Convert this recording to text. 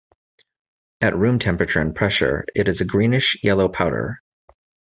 At room temperature and pressure it is a greenish yellow powder.